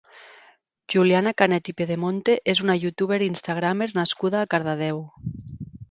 Juliana Canet i Pedemonte és una youtuber i Instagramer nascuda a Cardedeu.